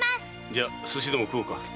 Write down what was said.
じゃ寿司でも食おうか。